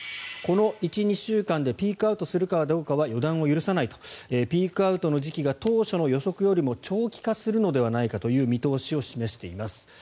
この１２週間でピークアウトするかどうかは予断を許さないとピークアウトの時期が当初の予測よりも長期化するのではないかという見通しを示しています。